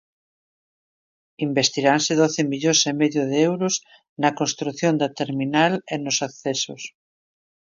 Investiranse doce millóns e medio de euros na construción da terminal e nos accesos.